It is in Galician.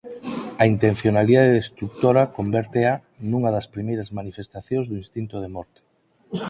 A intencionalidade destrutora convértea nunha das primeiras manifestacións do instinto de morte.